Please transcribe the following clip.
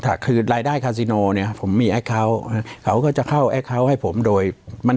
ถักคือรายได้เนี่ยผมมีเขาเขาก็จะเข้าให้ผมโดยมัน